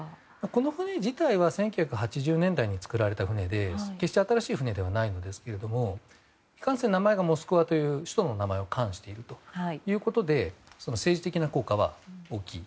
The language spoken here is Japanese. この船時代は１９８０年代に造られた船で決して新しい船ではないんですけどいかんせん名前が「モスクワ」という首都の名前を冠しているということで政治的な効果は大きい。